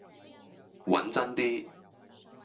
揾真啲